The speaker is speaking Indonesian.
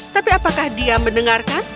tapi apakah dia mendengarkan